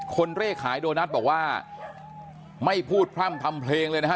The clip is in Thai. เลขขายโดนัทบอกว่าไม่พูดพร่ำทำเพลงเลยนะฮะ